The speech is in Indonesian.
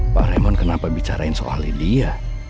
pak raymond kenapa bicarain soal lydia